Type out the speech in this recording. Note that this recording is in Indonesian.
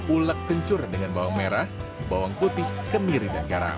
ulek kencur dengan bawang merah bawang putih kemiri dan garam